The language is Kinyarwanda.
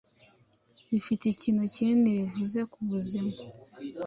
bifite ikintu kinini bivuze ku buzima.